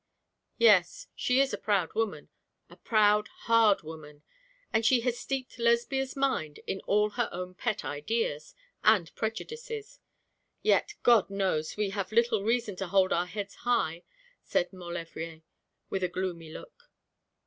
'Yes, she is a proud woman a proud, hard woman and she has steeped Lesbia's mind in all her own pet ideas and prejudices. Yet, God knows, we have little reason to hold our heads high,' said Maulevrier, with a gloomy look.